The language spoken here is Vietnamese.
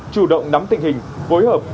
chủ động nắm tình hình phối hợp